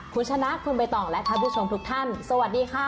คุณชนะคุณใบตองและท่านผู้ชมทุกท่านสวัสดีค่ะ